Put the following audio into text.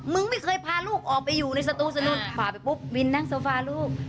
มึงไม่เคยพาลูกออกไปอยู่ในสตูสนุนฝ่าไปปุ๊บวินนั่งโซฟาลูก